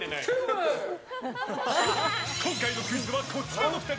今回のクイズはこちらの２人。